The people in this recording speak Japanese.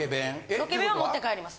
ロケ弁は持って帰ります。